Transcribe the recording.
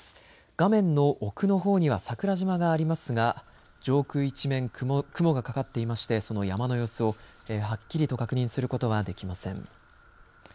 画面の奥のほうには桜島がありますが上空一面、雲がかかっていましてその山の様子をはっきりと確認することはできません。